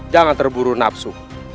jangan terburu nafsu